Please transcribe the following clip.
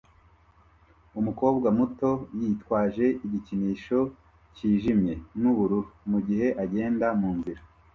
Umukobwa muto yitwaje igikinisho cyijimye nubururu mugihe agenda munzira